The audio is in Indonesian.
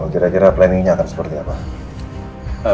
kalo jera jera planningnya akan seperti apa